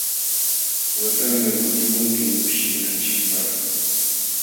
Watanman kutimunkim kushikunanchikpaq.